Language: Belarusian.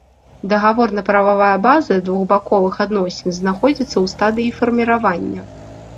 Дагаворна-прававая база двухбаковых адносін знаходзіцца ў стадыі фарміравання.